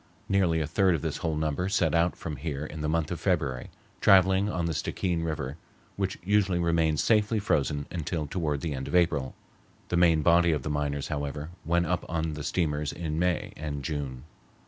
Nearly a third of this whole number set out from here in the month of February, traveling on the Stickeen River, which usually remains safely frozen until toward the end of April. The main body of the miners, however, went up on the steamers in May and June.